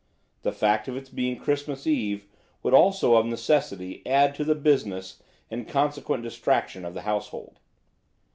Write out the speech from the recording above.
The fact of its being Christmas Eve would also of necessity add to the business and consequent distraction of the household.